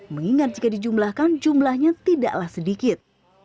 mengingat jika dijumlahkan jumlahnya tidaklah sedikit